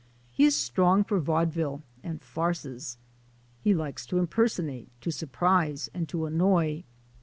He is strong for vaudeville and farces; he likes to impersonate, to surprise, and to annoy.